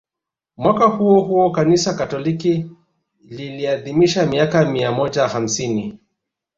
Mwaka huo huo Kanisa Katoliki liliadhimisha miaka mia moja hamsini